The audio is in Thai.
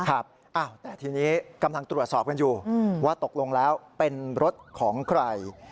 ครับแต่ทีนี้กำลังตรวจสอบกันอยู่ว่าตกลงแล้วเป็นรถของใคร